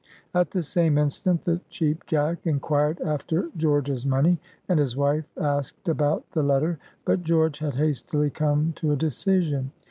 At the same instant the Cheap Jack inquired after George's money, and his wife asked about the letter. But George had hastily come to a decision.